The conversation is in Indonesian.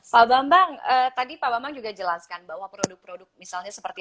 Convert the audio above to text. pak bambang tadi pak bambang juga jelaskan bahwa produk produk misalnya seperti